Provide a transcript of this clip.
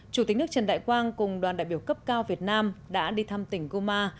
chủ tịch nước trần đại quang cùng đoàn đại biểu cấp cao việt nam đã đi thăm tỉnh guma